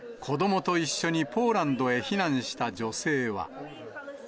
子どもと一緒にポーランドへ避難した女性は。